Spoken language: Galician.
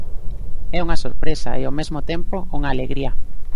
É unha sorpresa e, ao mesmo tempo, unha alegría.